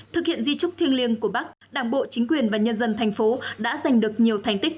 thực hiện di trúc thiêng liêng của bắc đảng bộ chính quyền và nhân dân thành phố đã giành được nhiều thành tích